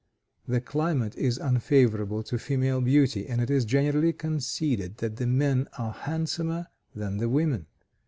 The climate is unfavorable to female beauty, and it is generally conceded that the men are handsomer than the women.